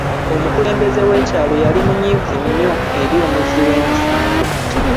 Omukulembeze w'ekyalo yali munyiivu nnyo eri omuzzi w'emisango.